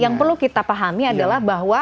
yang perlu kita pahami adalah bahwa